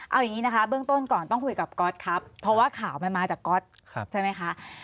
เอาอย่างนี้นะคะเบื้องต้นก่อนต้องคุยกับก๊อตครับเพราะว่าข่าวมันมาจากก๊อตใช่ไหมคะ